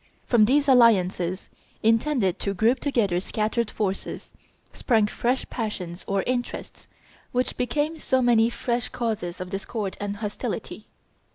From these alliances, intended to group together scattered forces, sprang fresh passions or interests, which became so many fresh causes of discord and hostility.